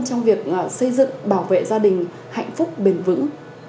trong việc xây dựng bảo vệ gia đình hạnh phúc bền vững